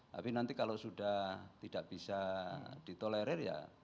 tapi nanti kalau sudah tidak bisa ditolerir ya